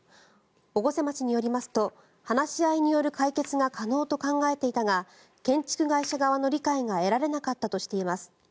越生町によりますと話し合いによる解決が可能と考えていたが建築会社側の理解が得られなかったとしています。